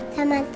sama tua aku